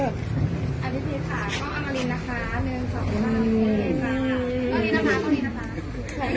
อันนี้ด้วยด้วย